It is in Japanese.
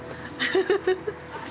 フフフフ。